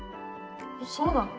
そうなの？